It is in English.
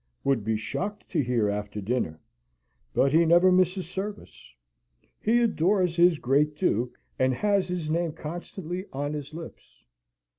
" would be shocked to hear after dinner; but he never misses service. He adores his Great Duke, and has his name constantly on his lips.